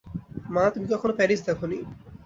মা, তুমি কখনো প্যারিস দেখো নি।